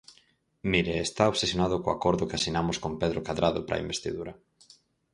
Mire, está obsesionado co acordo que asinamos con Pedro Cadrado para a investidura.